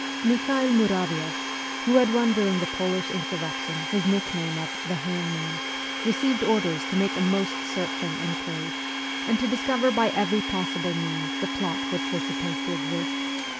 Mikhael Muravioff, who had won during the Polish insurrection his nickname of ' the Hangman,' received orders to make a most searching inquiry, and to discover by every possible means the plot which was supposed to exist.